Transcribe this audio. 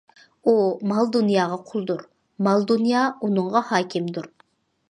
ئۇ مال- دۇنياغا قۇلدۇر، مال- دۇنيا ئۇنىڭغا ھاكىمدۇر.